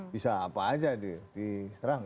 bisa apa saja dia diserang